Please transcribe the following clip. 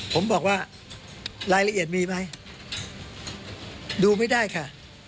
ผมบอกว่ารายละเอียดมีไหมดูไม่ได้ค่ะ